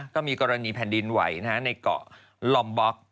ก็มีกรณีแผ่นดินไหวในเกาะลอมบ็อก